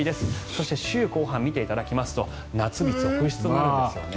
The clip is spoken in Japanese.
そして、週後半を見ていただきますと夏日続出となるんですよね。